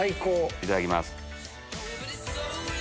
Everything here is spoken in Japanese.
いただきます。